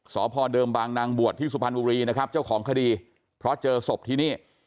สพเดิมบางนางบวชที่สุพรรณบุรีนะครับเจ้าของคดีเพราะเจอศพที่นี่